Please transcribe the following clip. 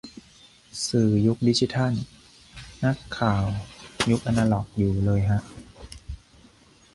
สื่อยุคดิจิทัล นักข่าวยุคอนาล็อกอยู่เลยฮะ